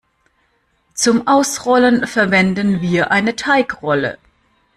Zum Ausrollen verwenden wir eine Teigrolle.